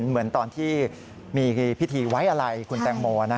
เหมือนตอนที่มีพิธีไว้อะไรคุณแตงโม